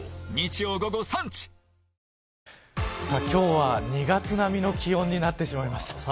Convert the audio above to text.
今日は２月並みの気温になってしまいました。